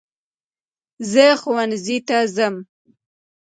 زه ښوونځی ته ځم